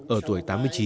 ở tuổi tám mươi chín